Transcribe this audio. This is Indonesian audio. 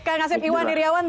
kak ngasib iwan diriawan